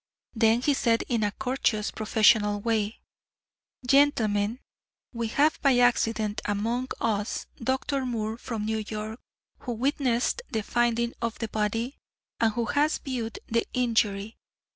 Then he said in a courteous, professional way: "Gentlemen, we have by accident among us Dr. Moore from New York, who witnessed the finding of the body, and who has viewed the injury.